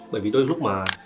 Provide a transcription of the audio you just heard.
bởi vì đôi lúc mà